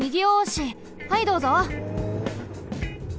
はいどうぞ。